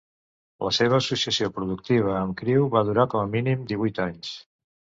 La seva associació productiva amb Crewe va durar com a mínim divuit anys.